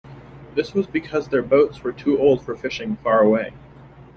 This was because their boats were too old for fishing far away.